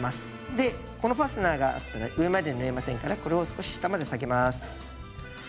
でこのファスナーがあったら上まで縫えませんからこれを少し下まで下げます。